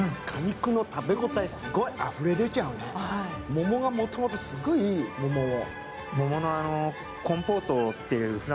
桃がもともと、すっごいいい桃だ。